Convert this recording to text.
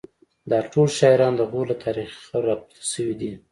دا ټول شاعران د غور له تاریخي خاورې راپورته شوي دي